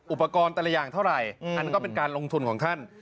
อุปกรณ์แต่ละอย่างเท่าไหร่อันนั้นก็เป็นการลงทุนของท่าน